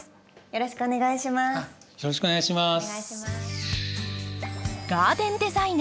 よろしくお願いします。